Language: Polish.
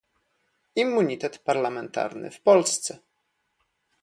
Immunitet parlamentarny w Polsce